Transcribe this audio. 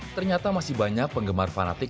ternyata masih banyak penggemar fanatik